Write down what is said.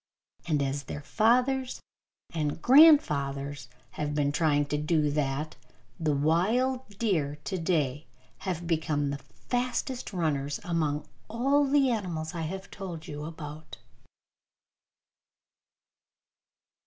And as their fathers and grandfathers have been trying to do that, the wild deer to day have become the fastest runners among all the animals I have told you about.